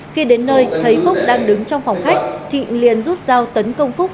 khi đến nơi thấy phúc đang đứng trong phòng khách thịnh liền rút dao tấn công phúc